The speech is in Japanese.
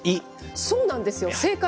そうなんです、正解。